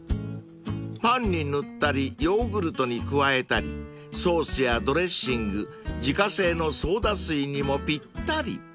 ［パンに塗ったりヨーグルトに加えたりソースやドレッシング自家製のソーダ水にもぴったり］